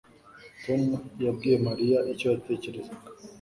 Tom yabwiye Mariya icyo yatekerezaga